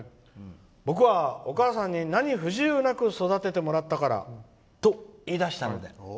僕はお母さんに何不自由なく育ててもらったからと言いだしたので」。